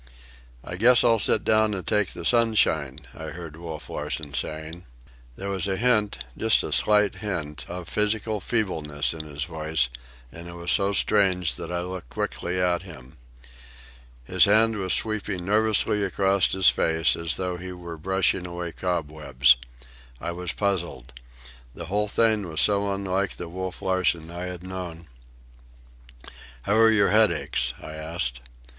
"I guess I'll sit down and take the sunshine," I heard Wolf Larsen saying. There was a hint, just a slight hint, of physical feebleness in his voice, and it was so strange that I looked quickly at him. His hand was sweeping nervously across his face, as though he were brushing away cobwebs. I was puzzled. The whole thing was so unlike the Wolf Larsen I had known. "How are your headaches?" I asked.